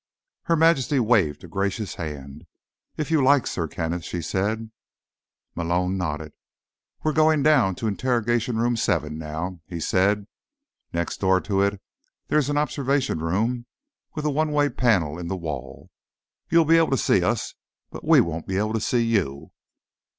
Her Majesty waved a gracious hand. "If you like, Sir Kenneth," she said. Malone nodded. "We're going on down to Interrogation Room 7 now," he said. "Next door to it, there's an observation room, with a one way panel in the wall. You'll be able to see us, but we won't be able to see you."